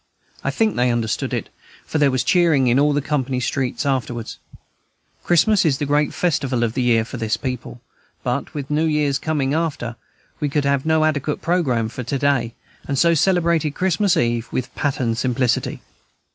I think they understood it, for there was cheering in all the company streets afterwards. Christmas is the great festival of the year for this people; but, with New Year's coming after, we could have no adequate programme for to day, and so celebrated Christmas Eve with pattern simplicity.